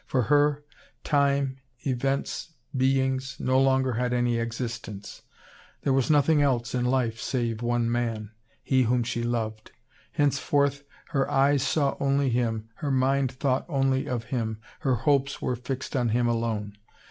For her, time, events, beings, no longer had any existence; there was nothing else in life save one man, he whom she loved. Henceforth, her eyes saw only him, her mind thought only of him, her hopes were fixed on him alone.